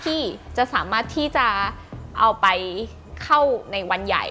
ที่จะสามารถที่จะเอาไปเข้าในวันใหญ่